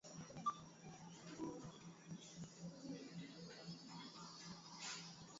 Sihaba aliathirika sana kiafya kipindi mwani ulipoathiriwa na mabadiliko ya tabia nchi